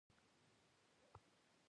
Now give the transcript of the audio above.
چاکلېټ له بسته بندۍ سره ښکلی وي.